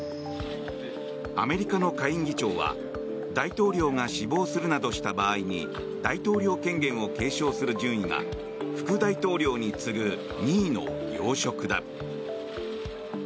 アメリカの下院議長は大統領が死亡するなどした場合に大統領権限を継承する順位が副大統領に次ぐ２位の要職だ。